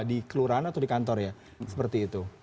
di kelurahan atau di kantor ya seperti itu